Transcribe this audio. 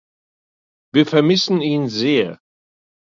Wir vermissen ihn sehr.